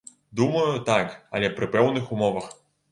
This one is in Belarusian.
Думаю, так, але пры пэўных умовах.